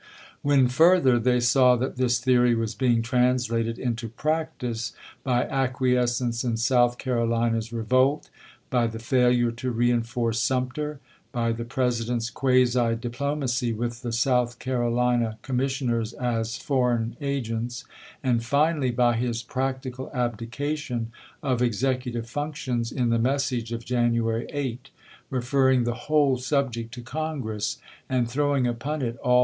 When, further, they chap, xv. saw that this theory was being translated into practice by acquiescence in South Carolina's re volt; by the failure to reenforce Sumter; by the President's quasi diplomacy with the South Caro lina commissioners as foreign agents ; and finally by his practical abdication of executive functions, in the message of January 8, referring the whole subject to Congress, and throwing upon it all "oiobe."